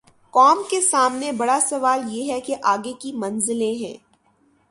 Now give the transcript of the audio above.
قوم کے سامنے بڑا سوال یہ ہے کہ آگے کی منزلیں ہیں۔